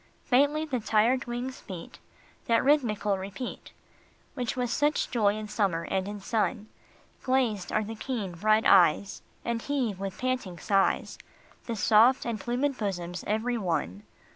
Faintly the tired wings beat That rhythmical repeat Which was such joy in summer and in sun ; Glazed are the keen, bright eyes, And heave with panting sighs The soft and plumed bosoms every one.